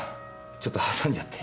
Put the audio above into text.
ちょっと挟んじゃって。